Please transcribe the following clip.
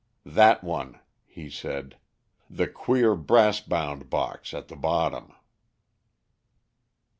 "That one," he said. "The queer brass bound box at the bottom."